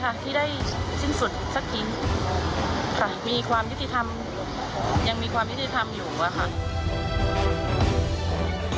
อันดับสุดท้าย